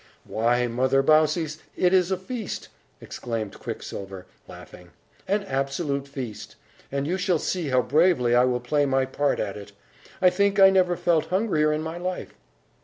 "Why, Mother Baucis, it is a feast!" exclaimed Quicksilver, laughing, "an absolute feast! and you shall see how bravely I will play my part at it! I think I never felt hungrier in my life."